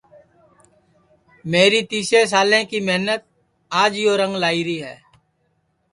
میری تیس سالیں کی محنت آج یو رنگ لائی ری ہے